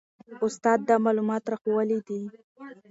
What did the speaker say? استاد دا معلومات راښوولي دي.